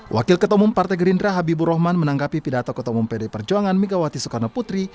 wakil ketua umum partai gerindra habibur rahman menanggapi pidato ketumum pd perjuangan megawati soekarno putri